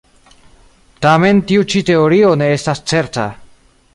Tamen tiu ĉi teorio ne estas certa.